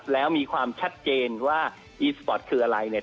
แล้วมีความชัดเจนว่าอีศพอร์ตคืออะไร